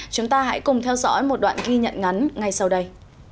chúng ta hãy cùng theo dõi một đoạn ghi nhận ngắn ngay sau đây